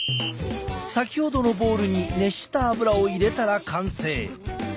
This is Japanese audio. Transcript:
先ほどのボウルに熱した油を入れたら完成。